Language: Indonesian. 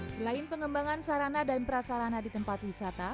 selain pengembangan sarana dan prasarana di tempat wisata